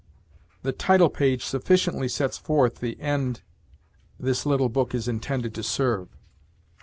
The title page sufficiently sets forth the end this little book is intended to serve.